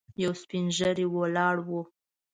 یو سپين ږيری ولاړ و.